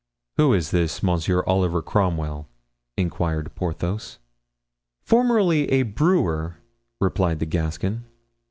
"Who is this Monsieur Oliver Cromwell?" inquired Porthos. "Formerly a brewer," replied the Gascon.